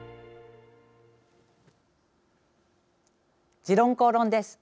「時論公論」です。